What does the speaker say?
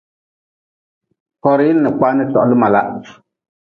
Korhi n kpani tohli malah.